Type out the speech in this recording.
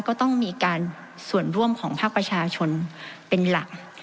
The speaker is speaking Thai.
ก็ต้องมีการส่วนร่วมของภาคประชาชนเป็นหลัก